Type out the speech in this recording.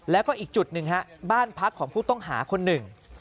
แล้วก็อีกจุดหนึ่งฮะบ้านพักของผู้ต้องหาคนหนึ่ง